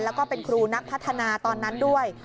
แล้วก็เป็นครูนักพัฒนาตอนนั้นด้วย